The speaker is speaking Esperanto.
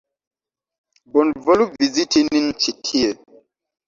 Bonvolu viziti nin ĉi tie!